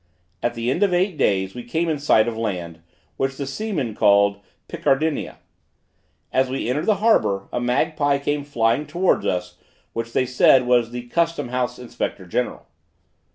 At the end of eight days we came in sight of land; which the seamen called Picardania. As we entered the harbor, a magpie came flying towards us, which, they said, was the custom house inspector general.